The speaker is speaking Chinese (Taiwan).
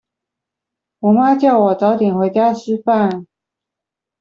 我媽叫我早點回家吃飯